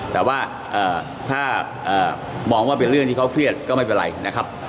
แต่ว่าถ้ามองว่าเป็นเรื่องที่เขาเครียดก็ไม่เป็นไรนะครับ